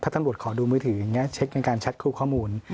ตำรวจขอดูมือถืออย่างนี้เช็คเป็นการแชทคู่ข้อมูล